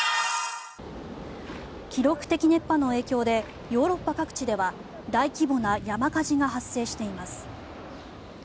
記録的熱波の影響でヨーロッパ各地では大規模な山火事が発生しています。